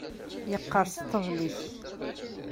Yeqqerṣ ṭṭbel-ik.